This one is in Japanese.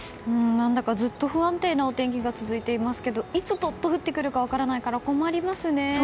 何だかずっと不安定なお天気が続いていますけどいつ、どっと降ってくるか分からないから困りますね。